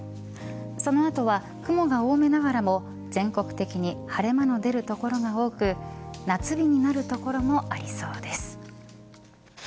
その後は雲が多めながらも全国的に晴れ間の出る所が多く夏日になる所もありそうです。